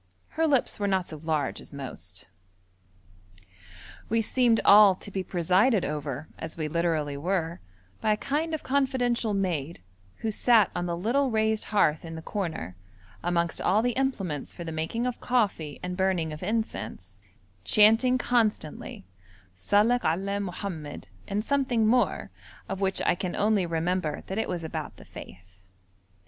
Her lips were not so large as most. We seemed all to be presided over, as we literally were, by a kind of confidential maid, who sat on the little raised hearth in the corner, amongst all the implements for the making of coffee and burning of incense, chanting constantly: 'Salek alleh Mohammed' and something more, of which I can only remember that it was about the faith.